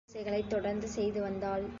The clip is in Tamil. கோயில் பூசை களைத் தொடர்ந்து செய்து வந்தாள்.